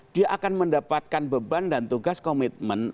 dia akan mendapatkan beban dan tugas komitmen